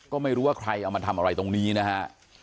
ก็ไม่รู้ว่าใครเอามาทำอะไรตรงนี้นะฮะ